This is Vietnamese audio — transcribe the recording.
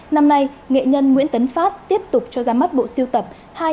năm nay nghệ nhân nguyễn tấn phát tiếp tục cho ra mắt bộ siêu tập